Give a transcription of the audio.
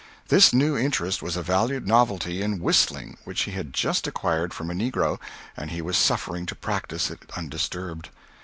This new interest was a valued novelty in whistling, which he had just acquired from a negro, and he was suffering to practise it un disturbed.